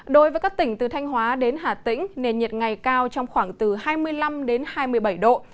đối với các tỉnh từ thanh hóa đến hà tĩnh nền nhiệt ngày cao trong khoảng từ hai mươi năm đến hai mươi bảy độ